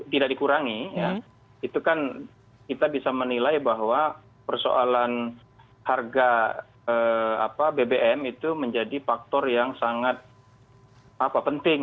tidak dikurangi ya itu kan kita bisa menilai bahwa persoalan harga bbm itu menjadi faktor yang sangat penting